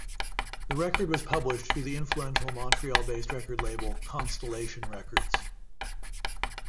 The record was published through the influential Montreal-based record label, Constellation Records.